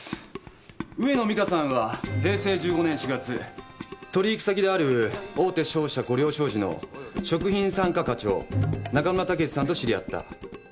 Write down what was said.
上野美香さんは平成１５年４月取引先である大手商社五陵商事の食品３課課長中村武さんと知り合った。